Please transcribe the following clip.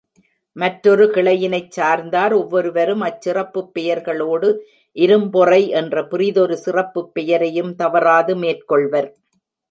மற்றொரு கிளையினைச் சார்ந்தார் ஒவ்வொருவரும் அச்சிறப்புப் பெயர்களோடு, இரும்பொறை என்ற பிறிதொரு சிறப்புப் பெயரையும் தவறாது மேற்கொள்வர்.